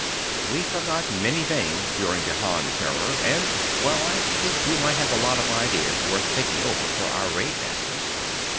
We forgot many things during the Han terror, and well, I think you might have a lot of ideas worth thinking over for our raid masters.